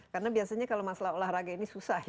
karena biasanya kalau masalah olahraga ini susah ya